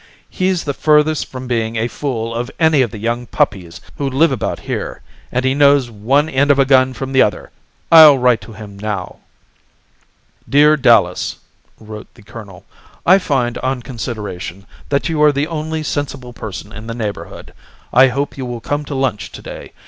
He's the furthest from being a fool of any of the young puppies who live about here, and he knows one end of a gun from the other. I'll write to him now." "Dear Dallas" (wrote the colonel), "I find, on consideration, that you are the only sensible person in the neighbourhood. I hope you will come to lunch to day.